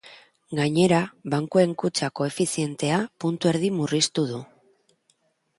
Gainera, bankuen kutxa koefizientea puntu erdi murriztu du.